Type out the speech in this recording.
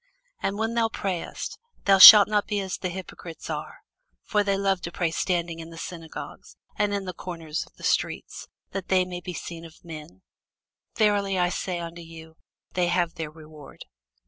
And when thou prayest, thou shalt not be as the hypocrites are: for they love to pray standing in the synagogues and in the corners of the streets, that they may be seen of men. Verily I say unto you, They have their reward.